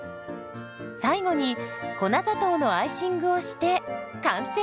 最後に粉砂糖のアイシングをして完成。